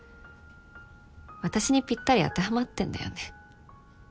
私にぴったり当てはまってんだよね。